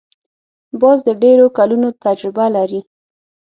باز د ډېرو کلونو تجربه لري